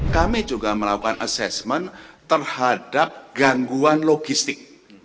kami juga melakukan assessment terhadap gangguan logistik